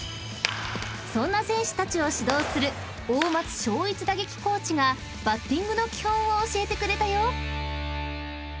［そんな選手たちを指導する大松尚逸打撃コーチがバッティングの基本を教えてくれたよ］